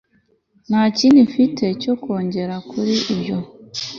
nta kindi mfite cyo kongera kuri ibyo